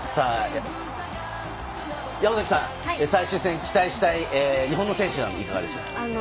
山崎さん、最終戦、期待したい日本の選手などいかがですか？